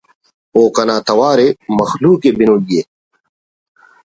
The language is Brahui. و کنا توار ءِ مخلوق ءِ بنوئی ءِ